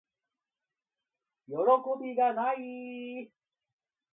よろこびがない～